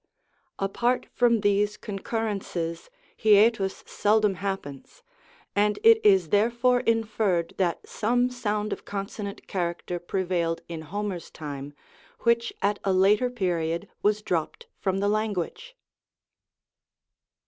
Apart from these concurrelices, hiatus seldom happens, and it is therefore inferred that some sound of consonant character prevailed in Ho mer's time, which at a later period was dropped from the language.